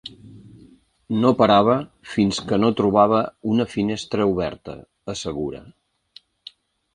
No parava fins que no trobava una finestra oberta, assegura.